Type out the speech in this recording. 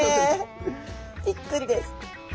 びっくりです。